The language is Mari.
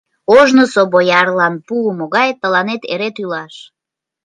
Ожнысо боярлан пуымо гай тыланет эре тӱлаш!..